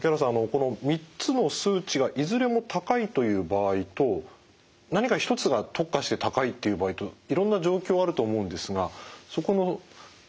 この３つの数値がいずれも高いという場合と何か一つが特化して高いという場合といろんな状況あると思うんですがそこの見極め